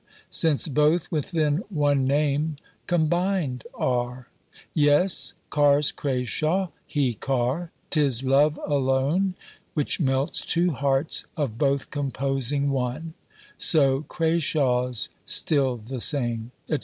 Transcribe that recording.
Since both within one name combined are. Yes, Car's Crashawe, he Car; 'tis Love alone Which melts two hearts, of both composing one, So Crashawe's still the same, &c.